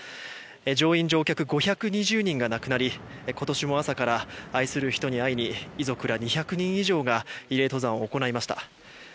乗員・乗客５２０人が亡くなり今年も朝から愛する人に会いに遺族ら２００人以上が慰霊登山を行いました。